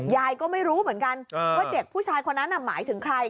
ยายก็ไม่รู้เหมือนกันว่าเด็กผู้ชายคนนั้นหมายถึงใคร